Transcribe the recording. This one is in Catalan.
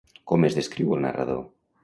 Com es descriu el narrador?